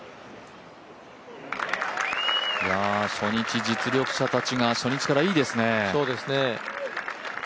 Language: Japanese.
初日、実力者たちが初日からいいですね。